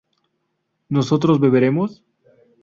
¿nosotros beberemos?